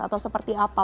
atau seperti apa